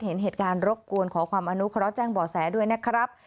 เห็นเหตุการณ์รบกวนขอความอนุเคราะห์แจ้งบ่อแสด้วยนะครับ